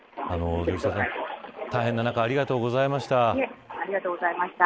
大変な中ありがとうございました。